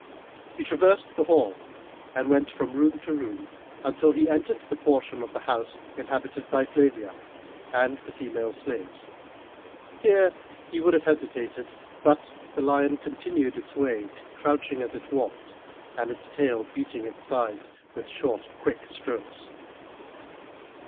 He traversed the hall and went from room to room until he entered the portion of the house inhabited by Flavia and the female slaves. Here he would have hesitated, but the lion continued its way, crouching as it walked, with its tail beating its sides with short quick strokes.